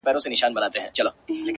اې د قوتي زلفو مېرمني در نه ځمه سهار،